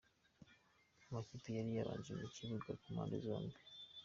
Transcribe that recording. Amakipe yari yabanje mu kibuga ku mpande zombi.